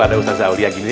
ada ustadz zauliah gini